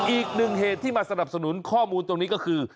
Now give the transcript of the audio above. อีกหนึ่งเหตุที่มาสนับสนุนข้อมูลตรงนี้ก็คือ